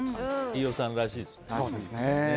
飯尾さんらしいですよね。